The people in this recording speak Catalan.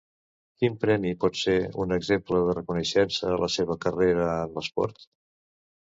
Quin premi pot ser un exemple de reconeixença a la seva carrera en l'esport?